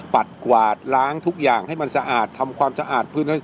กวาดล้างทุกอย่างให้มันสะอาดทำความสะอาดพื้น